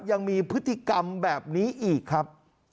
ยังมีพฤติกรรมแบบนี้อีกครับ